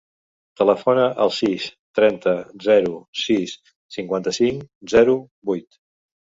Telefona al sis, trenta, zero, sis, cinquanta-cinc, zero, vuit.